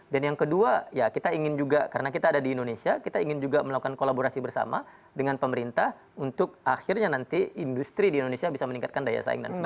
dan yang kedua ya kita ingin juga karena kita ada di indonesia kita ingin juga melakukan kolaborasi bersama dengan pemerintah untuk akhirnya nanti industri di indonesia bisa meningkatkan daya saing dan sebagainya